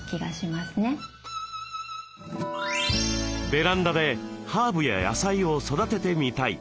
ベランダでハーブや野菜を育ててみたい。